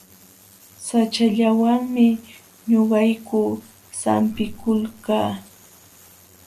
Saćhallawanmi ñuqayku sampikulkaa.